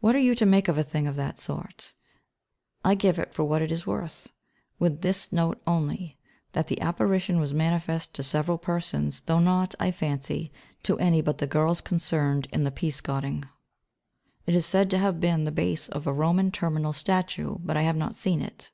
What are you to make of a thing of the sort? I give it for what it is worth, with this note only, that the apparition was manifest to several persons, though not, I fancy, to any but the girls concerned in the peascodding. [Footnote 13: It is said to have been the base of a Roman terminal statue, but I have not seen it.